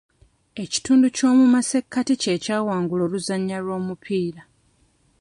Ekitundu ky'omu masekati kye kyawangula oluzannya lw'omupiira.